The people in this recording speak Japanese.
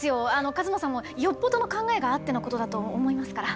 カズマさんもよっぽどの考えがあってのことだと思いますから。